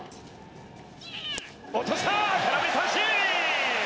落とした、空振り三振！